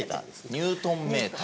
ニュートンメーター。